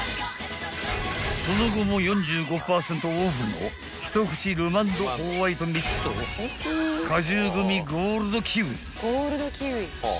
［その後も４５％オフのひとくちルマンドホワイト３つと果汁グミゴールドキウイ］